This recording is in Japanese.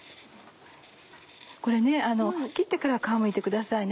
これね切ってから皮をむいてくださいね。